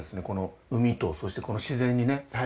この海とそしてこの自然にね。